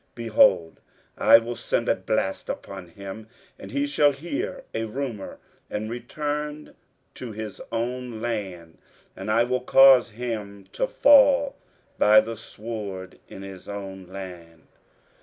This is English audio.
23:037:007 Behold, I will send a blast upon him, and he shall hear a rumour, and return to his own land; and I will cause him to fall by the sword in his own land.